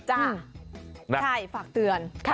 ใช่ฝากเตือน